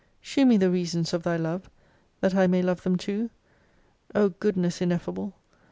Shew me the reasons of Thy love, that I may love them too. O Goodness ineffable!